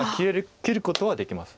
切ることはできます。